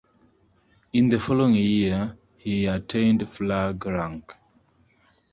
In the following year he attained flag-rank.